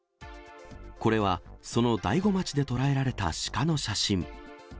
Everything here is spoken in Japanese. これはその大子町で捉えられたシカの写真。